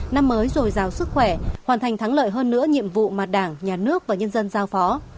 năm mới rồi giàu sức khỏe hoàn thành thắng lợi hơn nữa nhiệm vụ mà đảng nhà nước và nhân dân giao phó